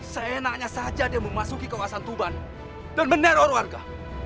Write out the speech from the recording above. seenaknya saja dia memasuki kawasan tuban dan meneror warga